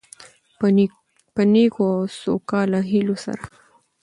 په نیکو او سوکاله هيلو سره،